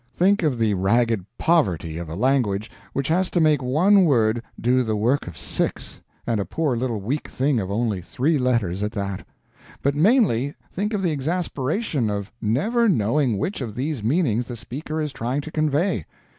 Think of the ragged poverty of a language which has to make one word do the work of six and a poor little weak thing of only three letters at that. But mainly, think of the exasperation of never knowing which of these meanings the speaker is trying to convey.